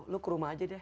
lo ke rumah aja deh